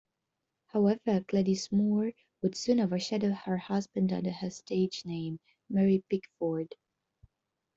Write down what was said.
However, Gladys Moore would soon overshadow her husband under her stage name, Mary Pickford.